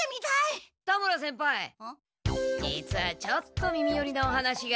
実はちょっと耳よりなお話が。